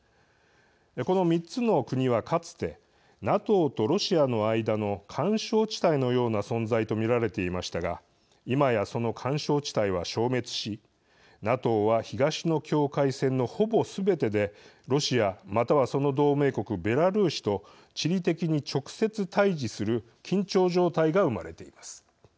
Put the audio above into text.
この３つの国はかつてＮＡＴＯとロシアの間の緩衝地帯のような存在と見られていましたが今や、その緩衝地帯は消滅しＮＡＴＯは東の境界線のほぼすべてでロシア、またはその同盟国、ベラルーシと地理的に直接対じする緊張状態が生まれています。